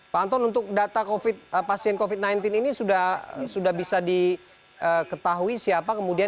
pak anton untuk data pasien covid sembilan belas ini sudah bisa diketahui siapa kemudian